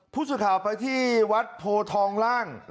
ผู้สื่อข่าวไปที่วัดโพทองล่าง